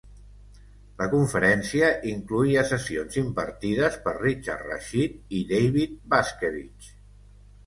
La conferència incloïa sessions impartides per Richard Rashid i David Vaskevitch.